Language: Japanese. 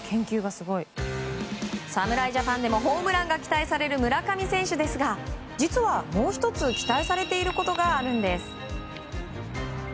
侍ジャパンでもホームランが期待される村上選手ですが、実はもう１つ期待されていることがあるんです。